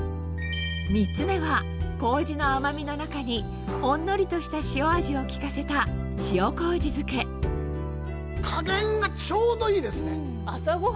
３つ目は麹の甘みの中にほんのりとした塩味を利かせた加減がちょうどいいですね。